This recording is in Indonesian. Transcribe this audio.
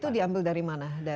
itu diambil dari mana